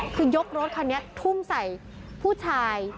คือยกรถคันนี้ทุ่มใส่ผู้ชาย